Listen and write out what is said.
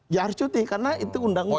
ya harus cuti karena itu undang undang